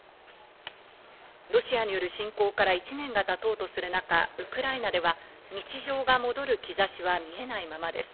ロシアによる侵攻から１年が経とうとする中、ウクライナでは日常が戻る兆しは見えないままです。